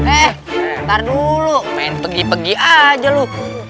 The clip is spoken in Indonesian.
eh ntar dulu main pegi pegi aja lu